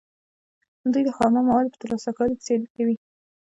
دوی د خامو موادو په ترلاسه کولو کې سیالي کوي